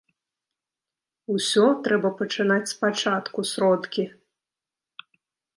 Усё трэба пачынаць спачатку, сродкі.